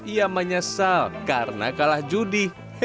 ia menyesal karena kalah judi